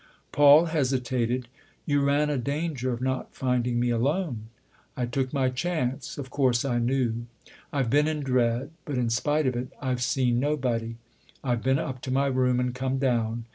Paul hesitated. " You ran a danger of not rinding me alone." " I took my chance of course 1 knew. I've been in dread, but in spite of it I've seen nobody. I've been up to my room and come down.